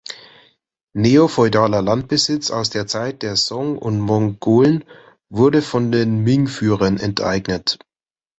Neofeudaler Landbesitz aus der Zeit der Song und Mongolen wurde von den Ming-Führern enteignet.